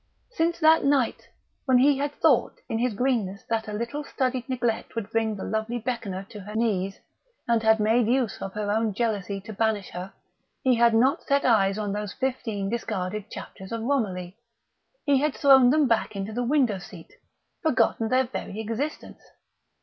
Since that night when he had thought in his greenness that a little studied neglect would bring the lovely Beckoner to her knees, and had made use of her own jealousy to banish her, he had not set eyes on those fifteen discarded chapters of Romilly. He had thrown them back into the window seat, forgotten their very existence.